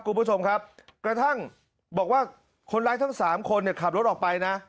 คุณผู้ชมครับกระทั่งบอกว่าคนร้ายทั้งสามคนเนี่ยขับรถออกไปนะ